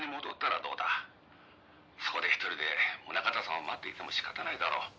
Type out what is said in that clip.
「そこで１人で宗形さんを待っていても仕方ないだろ」